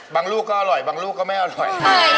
ลูกก็อร่อยบางลูกก็ไม่อร่อย